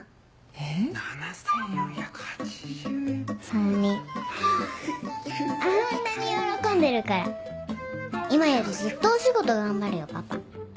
それにあんなに喜んでるから今よりずっとお仕事頑張るよパパ。